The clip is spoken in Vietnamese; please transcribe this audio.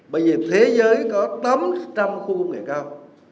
bây giờ thế giới có tám trăm linh khu công nghệ cao